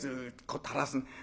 こう垂らす。